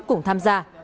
cùng tham gia